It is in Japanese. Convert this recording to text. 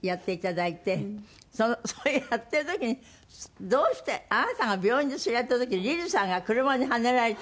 そのそれやってる時にどうしてあなたが病院でそれやってる時にリズさんが車にはねられた？